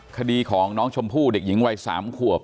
คดีของน้องชมพู่เด็กหญิงวัย๓ขวบ